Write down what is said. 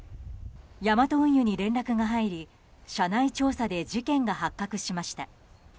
ヤマト運輸に連絡が入り社内調査で事件が発覚しました。